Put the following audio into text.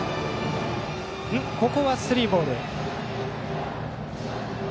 ここはスリーボール。